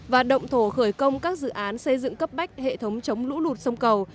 và động thổ khởi công các dự án xây dựng cấp bách hệ thống chống lũ lụt sông cầu